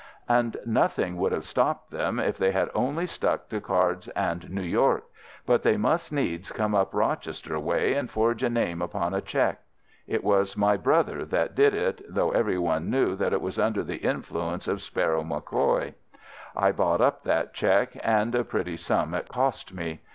"And nothing would have stopped them if they had only stuck to cards and New York, but they must needs come up Rochester way, and forge a name upon a check. It was my brother that did it, though everyone knew that it was under the influence of Sparrow MacCoy. I bought up that check, and a pretty sum it cost me.